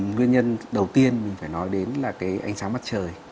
nguyên nhân đầu tiên mình phải nói đến là ánh sáng mắt trời